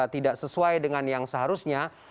tidak sesuai dengan yang seharusnya